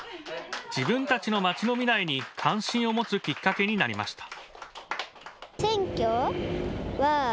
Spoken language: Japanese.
自分たちの町の未来に関心を持つきっかけになりました。